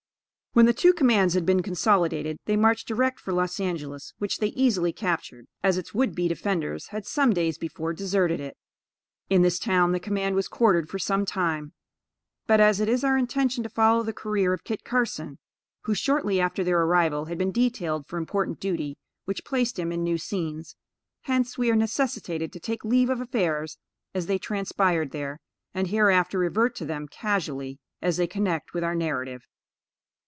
When the two commands had been consolidated, they marched direct for Los Angelos, which they easily captured, as its would be defenders had some days before deserted it. In this town the command was quartered for some time; but, as it is our intention to follow the career of Kit Carson, who, shortly after their arrival, had been detailed for important duty, which placed him in new scenes; hence, we are necessitated to take leave of affairs as they transpired there, and hereafter revert to them casually as they connect with our narrative.